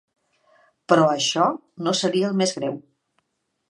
Però això no seria el més greu.